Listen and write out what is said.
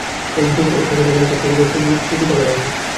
ভবিষ্যতে এতে কথা বলে তথ্য খোঁজার সুবিধা যোগ করা হবে।